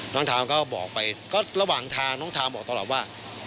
ทามก็บอกไปก็ระหว่างทางน้องทามบอกตลอดว่า